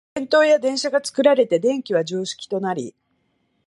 電燈や電車が作られて電気は常識となり、